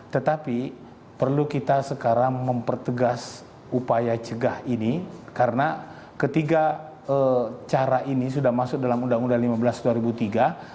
tetapi perlu kita sekarang mempertegas upaya cegah ini karena ketiga cara ini sudah masuk dalam undang undang lima belas dua ribu tiga